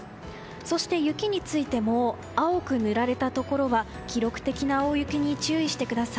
そして、雪についても青く塗られたところは記録的な大雪に注意してください。